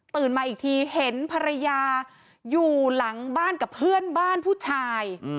มาอีกทีเห็นภรรยาอยู่หลังบ้านกับเพื่อนบ้านผู้ชาย